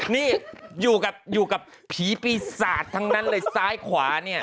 นี่อยู่กับผีปีศาจทั้งนั้นเลยซ้ายขวานี่